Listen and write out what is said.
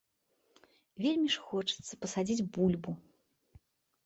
Вельмі ж хочацца пасадзіць бульбу.